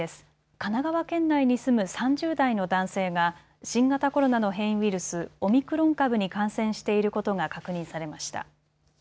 神奈川県内に住む３０代の男性が新型コロナの変異ウイルス、オミクロン株に感染していることが確認されました。